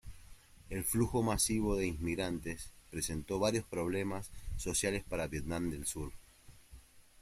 El flujo masivo de inmigrantes presentó varios problemas sociales para Vietnam del Sur.